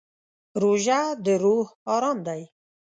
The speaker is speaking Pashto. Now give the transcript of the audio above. روژه د روح ارام دی.